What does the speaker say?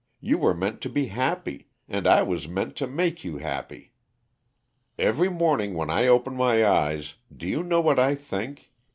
You were meant to be happy and I was meant to make you happy. Every morning when I open my eyes do you know what I think?